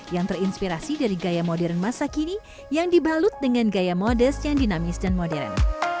yang terinspirasi dari gaya modern masa kini yang dibalut dengan gaya modest yang dinamis dan modern